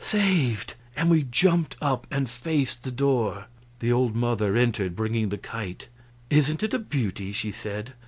"Saved!" And we jumped up and faced the door. The old mother entered, bringing the kite. "Isn't it a beauty?" she said.